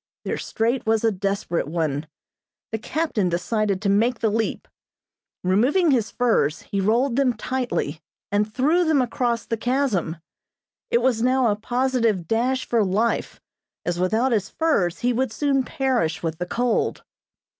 Their strait was a desperate one. The captain decided to make the leap. Removing his furs, he rolled them tightly, and threw them across the chasm. It was now a positive dash for life, as without his furs he would soon perish with the cold.